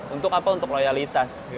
untuk apa untuk loyalitas